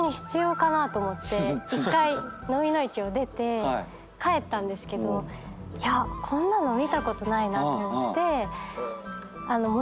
１回蚤の市を出て帰ったんですけどいやこんなの見たことないなと思って。